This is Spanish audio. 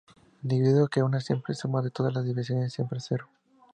Debido a que una simple suma de todas las desviaciones siempre es cero.